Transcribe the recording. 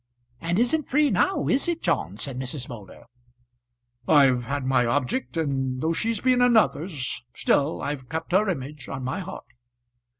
"And isn't free now, is it, John?" said Mrs. Moulder. "I've had my object, and though she's been another's, still I've kept her image on my heart."